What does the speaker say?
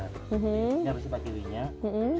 kita harus pakai minyak